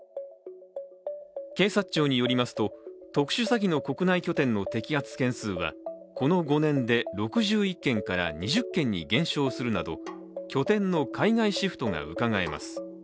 警察庁によると特殊詐欺の国内拠点の摘発件数はこの５年で６１件から２０件に減少するなど拠点の海外シフトがうかがえます。